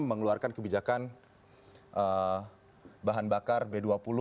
mengeluarkan kebijakan bahan bakar b dua puluh